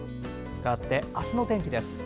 かわって明日の天気です。